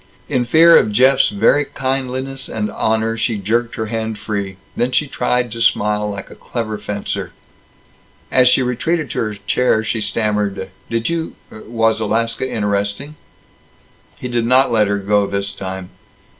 In fear of Jeff's very kindliness and honor, she jerked her hand free. Then she tried to smile like a clever fencer. As she retreated to her chair she stammered, "Did you Was Alaska interesting?" He did not let her go, this time.